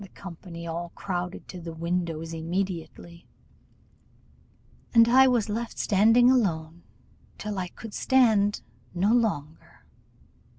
The company all crowded to the windows immediately, and I was left standing alone till I could stand no longer.